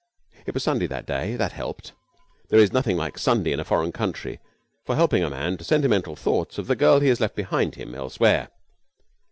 It was Sunday that day. That helped. There is nothing like Sunday in a foreign country for helping a man to sentimental thoughts of the girl he has left behind him elsewhere.